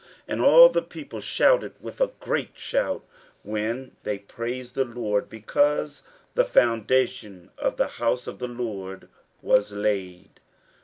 And all the people shouted with a great shout, when they praised the LORD, because the foundation of the house of the LORD was laid.